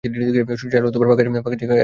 সূর্যের আলো ও ফাঁকা জায়গা এরা এড়িয়ে চলে।